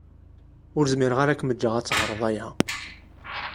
Ur zmireɣ ara ad kem-ǧǧeɣ ad teɣreḍ aya.